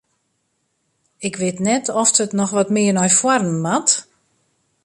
Ik wit net oft it noch wat mear nei foaren moat?